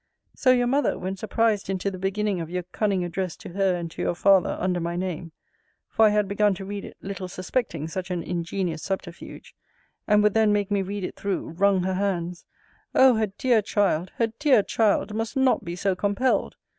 So your mother, when surprised into the beginning of your cunning address to her and to your father, under my name, (for I had begun to read it, little suspecting such an ingenious subterfuge,)and would then make me read it through, wrung her hands, Oh! her dear child, her dear child, must not be so compelled!